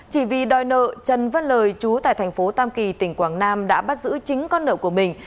chỉ vì đòi nợ trần văn lời chú tại thành phố tam kỳ tỉnh quảng nam đã bắt giữ chính con nợ của mình